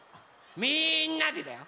みんなでだよ！